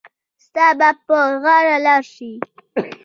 ستا به په غاړه لار شي.